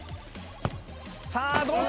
さあどうか？